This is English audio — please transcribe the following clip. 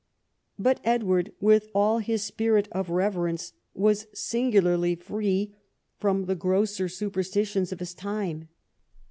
But Edward, with all his spirit of reverence, was singularly free from the grosser superstitions of his time.